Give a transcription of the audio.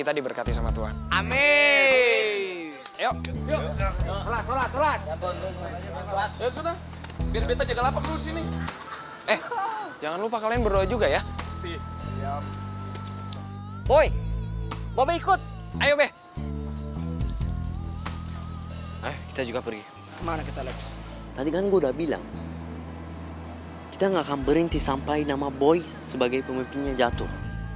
tadi kan gue udah bilang kita gak akan berhenti sampai nama boy sebagai pemimpinnya jatuh